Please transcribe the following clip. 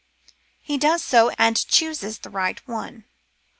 He does so, and chooses the right one.